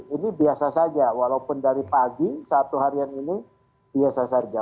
ini biasa saja walaupun dari pagi satu harian ini biasa saja